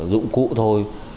dụng cụ thôi